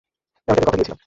আমি তাকে কথা দিয়েছিলাম।